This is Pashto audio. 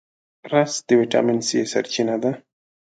رس د ویټامین C سرچینه ده